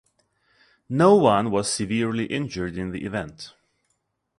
No-one was severely injured in the event.